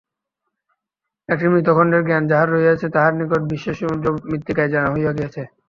একটি মৃৎখণ্ডের জ্ঞান যাহার হইয়াছে, তাহার নিকট বিশ্বের সমুদয় মৃত্তিকাই জানা হইয়া গিয়াছে।